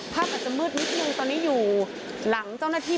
อาจจะมืดนิดนึงตอนนี้อยู่หลังเจ้าหน้าที่